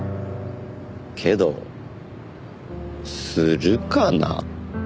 けどするかな。